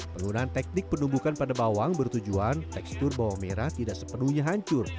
penggunaan teknik penumbukan pada bawang bertujuan tekstur bawang merah tidak sepenuhnya hancur